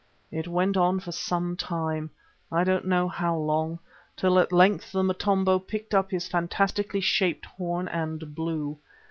It went on for some time, I don't know how long, till at length the Motombo picked up his fantastically shaped horn and blew.